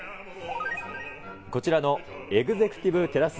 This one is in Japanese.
こちらのエグゼクティブテラス